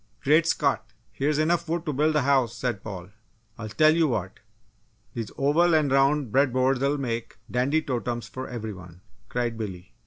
"Great Scott! Here's enough wood to build a house!" said Paul. "I'll tell you what! These oval and round bread boards'll make dandy totems for every one!" cried Billy.